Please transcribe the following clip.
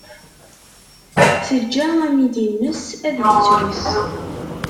Teǧǧa amidi-nnes ad yettwet.